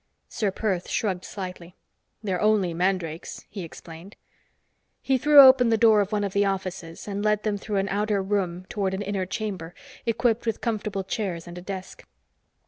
Ser Perth shrugged slightly. "They're only mandrakes," he explained. He threw open the door of one of the offices and led them through an outer room toward an inner chamber, equipped with comfortable chairs and a desk.